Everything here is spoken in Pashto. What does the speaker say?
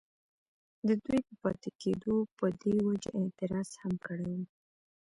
ددوي پۀ پاتې کيدو پۀ دې وجه اعتراض هم کړی وو،